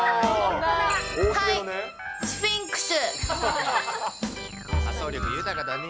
はい、スフィンクス。